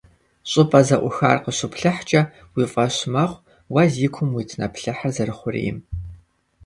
ЩӀыпӀэ зэӀухар къыщуплъыхькӀэ, уи фӀэщ мэхъу уэ зи кум уит нэплъыхьыр зэрыхъурейм.